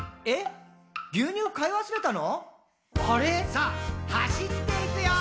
「さあ走っていくよー！」